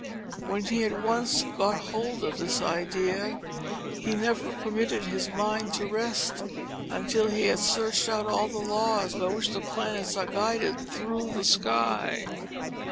When he had once got hold of this idea, he never permitted his mind to rest, until he had searched out all the laws, by which the planets are guided through the sky.